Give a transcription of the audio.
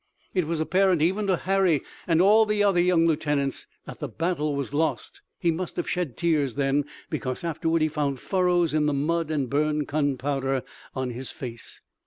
It was apparent even to Harry and all the other young lieutenants that the battle was lost. He must have shed tears then, because afterward he found furrows in the mud and burned gunpowder on his face.